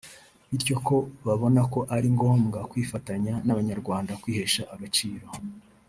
bityo ko babona ko ari ngombwa kwifatanya n’Abanyarwanda kwihesha agaciro